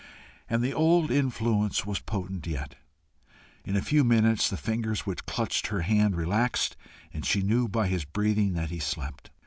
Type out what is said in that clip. And the old influence was potent yet. In a few minutes the fingers which clutched her hand relaxed, and she knew by his breathing that he slept.